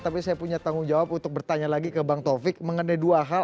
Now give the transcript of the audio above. tapi saya punya tanggung jawab untuk bertanya lagi ke bang taufik mengenai dua hal